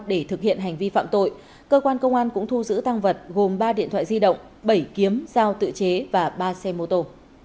để thực hiện hành vi phạm tội cơ quan công an cũng thu giữ tăng vật gồm ba điện thoại di động bảy kiếm dao tự chế và ba xe mô tô